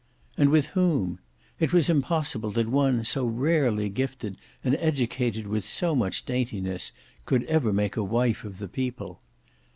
And with whom? It was impossible that one so rarely gifted and educated with so much daintiness, could ever make a wife of the people.